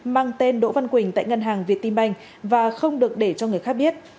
mang tên đỗ văn quỳnh tại ngân hàng việt tim banh và không được để cho người khác biết